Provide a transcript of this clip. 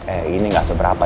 eh ini gak seberapa